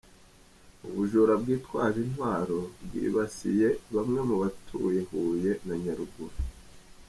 Ubujura bwitwaje intwaro bwibasiye bamwe mu batuye Huye na Nyaruguru